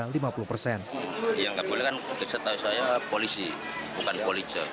yang terbulan kan rp tujuh puluh